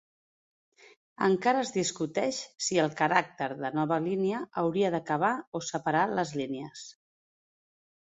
Encara es discuteix si el caràcter de nova línia hauria d'acabar o separar les línies.